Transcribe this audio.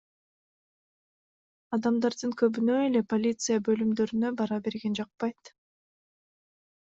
Адамдардын көбүнө эле полиция бөлүмдөрүнө бара берген жакпайт.